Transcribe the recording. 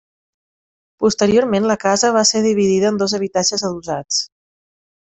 Posteriorment la casa va ser dividida en dos habitatges adossats.